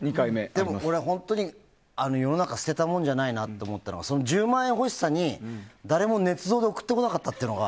でも、俺本当に世の中捨てたものじゃないなと思ったのが１０万円欲しさに、誰もねつ造で送ってこなかったっていうのが。